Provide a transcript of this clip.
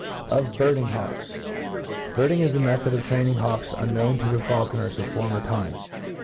CfBirdifig^ Hawksv Birding i^ a method of training hawks un ^ known to the faulconers of former times.